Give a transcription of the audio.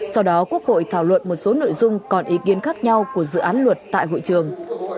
sau đó quốc hội thảo luận một số nội dung còn ý kiến khác nhau của dự án luật tại hội trường